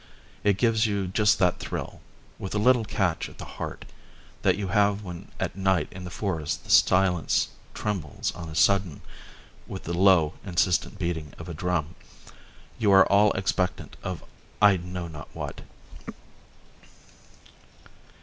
It gives you just that thrill, with a little catch at the heart, that you have when at night in the forest the silence trembles on a sudden with the low, insistent beating of a drum. You are all expectant of I know not what.